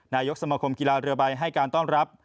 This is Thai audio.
นายกสมคมกีฬาเรือใบให้การต้อนรับ